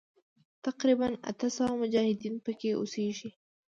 تقریباً اته سوه مجاهدین پکې اوسیږي.